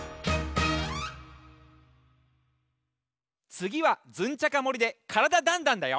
つぎはズンチャカもりで「からだ☆ダンダン」だよ！